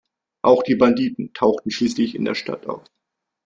Auch die Banditen tauchen schließlich in der Stadt auf.